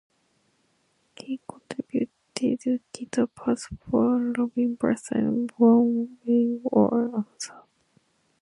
He contributed guitar parts for "Rumblin' Bass" and "One Way or Another.